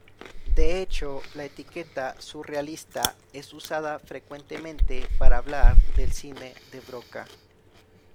De hecho, la etiqueta "surrealista" es usada frecuentemente para hablar del cine de Broca.